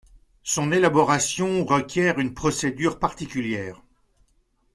Son élaboration requiert une procédure particulière.